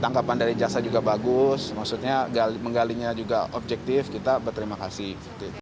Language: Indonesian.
tangkapan dari jasa juga bagus maksudnya menggalinya juga objektif kita berterima kasih